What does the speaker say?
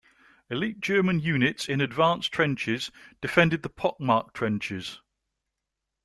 Elite German units in advanced trenches defended the pock-marked trenches.